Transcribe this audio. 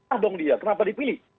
ah dong dia kenapa dipilih